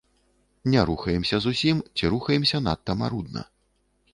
Не рухаемся зусім ці рухаемся надта марудна.